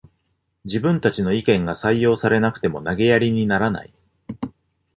自分たちの意見が採用されなくても投げやりにならない